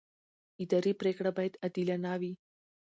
اداري پرېکړه باید عادلانه وي.